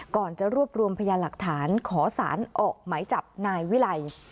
ก่อนจะรวบรวมพยานหลักฐานขอสารออกหมายจับนายวิไล